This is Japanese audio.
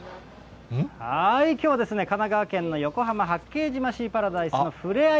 きょうは神奈川県の横浜・八景島シーパラダイスのふれあい